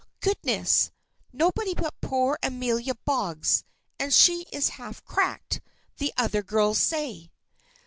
Goodness! nobody but poor Amelia Boggs, and she is half cracked, the other girls say.